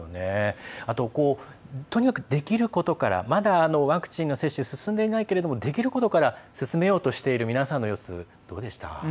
とにかくできることからまだワクチンの接種進んでいないけれども一刻も早く進めようとしている皆さんの様子はどうでした？